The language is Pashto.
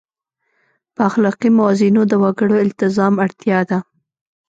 په اخلاقي موازینو د وګړو التزام اړتیا ده.